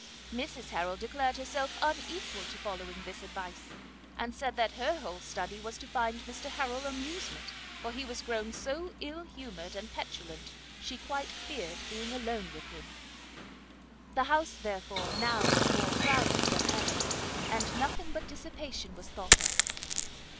Mrs Harrel declared herself unequal to following this advice, and said that her whole study was to find Mr Harrel amusement, for he was grown so ill humoured and petulant she quite feared being alone with him. The house therefore now was more crowded than ever, and nothing but dissipation was thought of.